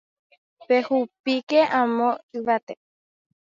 Pehupíke amo yvate